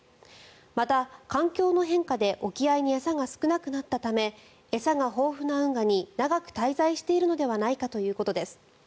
また、環境の変化で沖合に餌が少なくなったため餌が豊富な運河に長く滞在しているのではないかということです。